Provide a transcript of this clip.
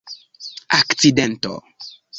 akcidento